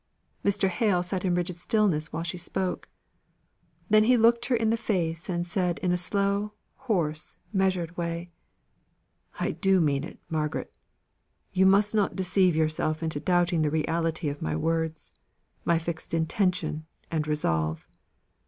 Mr. Hale sat in rigid stillness while she spoke. Then he looked her in the face, and said in a slow, hoarse, measured way "I do mean it, Margaret. You must not deceive yourself in doubting the reality of my words my fixed intention and resolve."